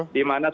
di mana seluruh